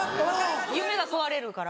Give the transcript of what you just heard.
夢が壊れるから？